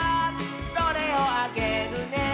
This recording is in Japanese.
「それをあげるね」